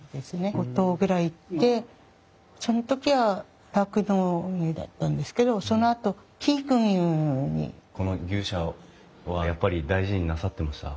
５頭ぐらいいてその時は酪農運営だったんですけどこの牛舎はやっぱり大事になさってました？